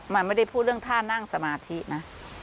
มันไม่ได้พูดเรื่องท่านั่งสมาธินะ